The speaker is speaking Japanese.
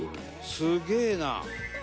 「すげえな！」